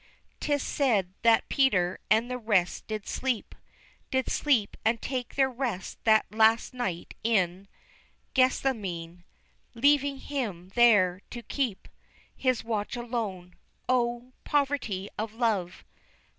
'Tis said that Peter and the rest did sleep, Did sleep and take their rest that last night in Gethsemane, leaving Him there to keep His watch alone. O, poverty of love!